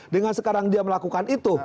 dengan sekarang dia melakukan itu